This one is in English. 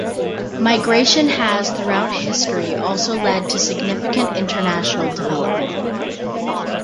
Migration has throughout history also led to significant international development.